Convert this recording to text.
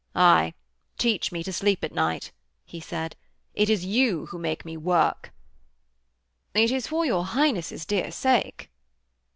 'Aye, teach me to sleep at night,' he said. 'It is you who make me work.' 'It is for your Highness' dear sake.'